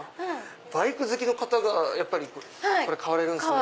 バイク好きの方がこれ買われるんすね。